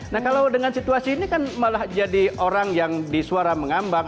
nah kalau dengan situasi ini kan malah jadi orang yang di suara mengambang